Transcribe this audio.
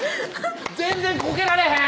全然こけられへん！